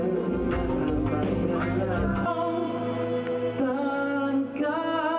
ต้องต่างกัน